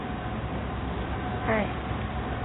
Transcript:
吕普朗泰。